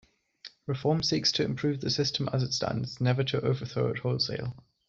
Reform seeks to improve the system as it stands, never to overthrow it wholesale.